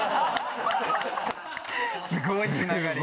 すごいつながり。